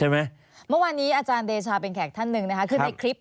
เมื่อวานนี้อาจารย์เดชาเป็นแขกท่านหนึ่งนะคะ